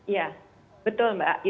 ya betul mbak